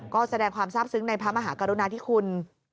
ก็แสดงความทราบซึ้งในพระมหากรุณาธิคุณ